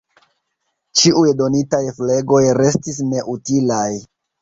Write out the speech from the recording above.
Ĉiuj donitaj flegoj restis neutilaj.